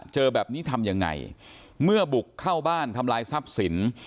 เจอแบบนี้ทำยังไงเมื่อบุกเข้าบ้านทำลายทรัพย์สิน